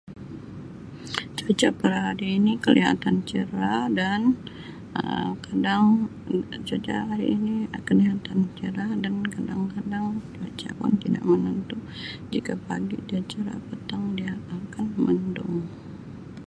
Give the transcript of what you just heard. Cuaca pada hari ni kelihatan cerah dan Um kadang cuaca hari ni kelihatan cerah dan kadang-kadang cuaca pun tidak menentu jika pagi dia cerah petang dia akan mendung.